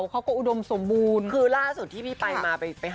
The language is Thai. ก็เลยค่ะ